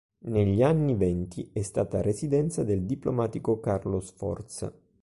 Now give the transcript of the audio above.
Negli anni venti è stata residenza del diplomatico Carlo Sforza.